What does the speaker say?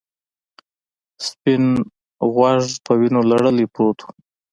سپین غوږ په وینو لړلی پروت و.